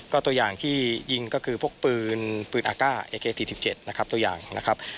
ก็ตัวอย่างที่ยิงก็คือพวกปืนปืนอากาศ๔๗นะครับตัวอย่างนะครับ